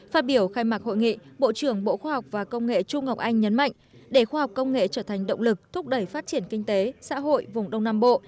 phát biểu khai mạc hội nghị bộ trưởng bộ khoa học và công nghệ trung ngọc anh nhấn mạnh để khoa học công nghệ trở thành động lực thúc đẩy phát triển kinh tế xã hội vùng đông nam bộ